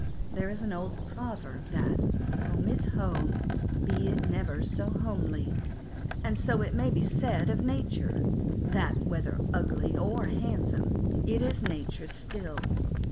There is an old proverb, that " Home is home, be it never so homely :" and so it may be said of nature ; that whether ugly or handsome, it is nature still.